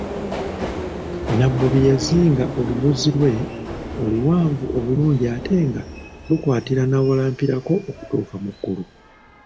Nabbubi yazinga oluwuzi lwe oluwanvu obulungi ate nga lukwatira n'awalampirako okutuuka mu ggulu.